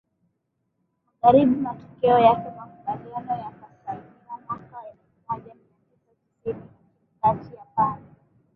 Magharibi Matokeo yake makubaliano yakasainiwa mwaka elfu moja mia tisa tisini kati ya pande